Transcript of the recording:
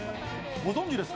ご存じですか？